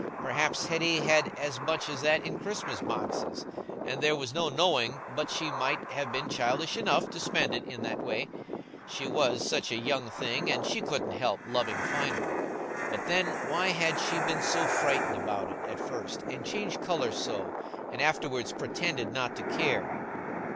Perhaps Hetty had had as much as that in Christmas boxes, and there was no knowing but she might have been childish enough to spend it in that way; she was such a young thing, and she couldn't help loving finery! But then, why had she been so frightened about it at first, and changed colour so, and afterwards pretended not to care?